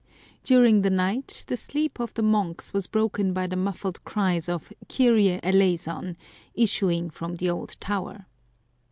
During the night the sleep of the monks was broken by the muffled cries of " Kyrte eleJson !" issuing from the old tower.